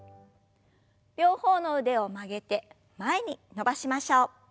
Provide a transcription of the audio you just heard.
両方の腕を曲げて前に伸ばしましょう。